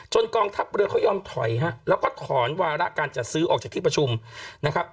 กองทัพเรือเขายอมถอยฮะแล้วก็ถอนวาระการจัดซื้อออกจากที่ประชุมนะครับ